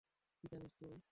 কী জানিস তুই?